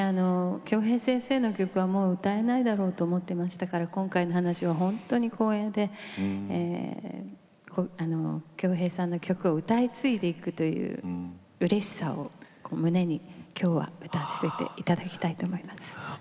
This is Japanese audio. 京平先生の曲はもう歌えないだろうと思っていましたから今回の話は本当に光栄で京平先生の歌を歌い継いでいくうれしさを胸に今日は歌わせていただきたいと思います。